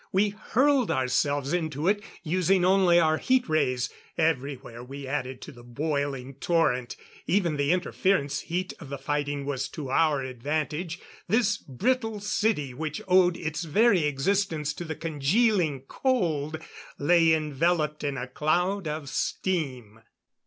We hurled ourselves into it, using only our heat rays. Everywhere we added to the boiling torrent; even the interference heat of the fighting was to our advantage. This brittle city which owed its very existence to the congealing cold, lay enveloped in a cloud of steam.